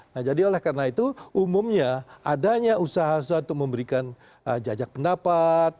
nah jadi oleh karena itu umumnya adanya usaha usaha untuk memberikan jajak pendapat